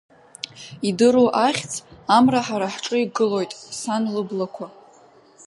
Идыру ахьӡ, Амра ҳара ҳҿы игылоит, Сан лыблақәа.